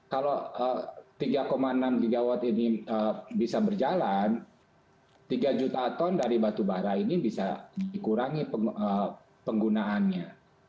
kalau tiga enam gigawatt ini bisa berjalan tiga juta ton dari batu bara ini bisa dikurangi penggunaannya